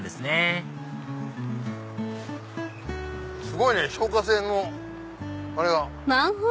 すごいね消火栓のあれが。